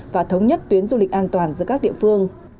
và thống nhất tuyến du lịch an toàn giữa các địa phương